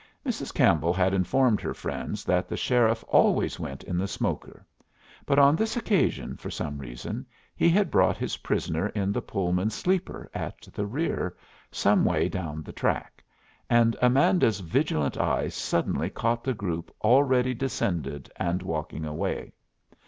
Mrs. Campbell had informed her friends that the sheriff always went in the smoker; but on this occasion, for some reason, he had brought his prisoner in the Pullman sleeper at the rear, some way down the track, and Amanda's vigilant eye suddenly caught the group, already descended and walking away.